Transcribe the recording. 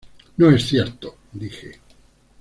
No es cierto, dije.